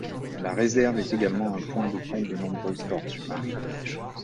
La réserve est également un point de ponte de nombreuses tortues marines.